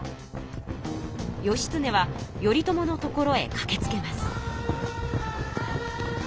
義経は頼朝の所へかけつけます。